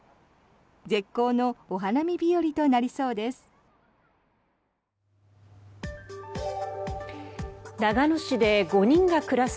絶好のお花見日和となりそうです。